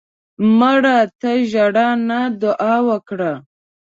مړه ته ژړا نه، دعا وکړه